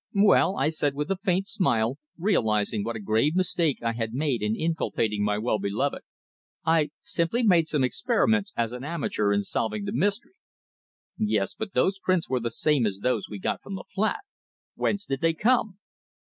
"Well," I said with a faint smile, realising what a grave mistake I had made in inculpating my well beloved, "I simply made some experiments as an amateur in solving the mystery." "Yes, but those prints were the same as those we got from the flat. Whence did they come?"